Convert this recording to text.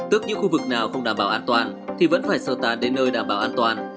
tức những khu vực nào không đảm bảo an toàn thì vẫn phải sơ tán đến nơi đảm bảo an toàn